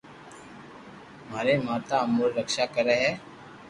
ماري ماتا اموري رڪݾہ ڪري ھي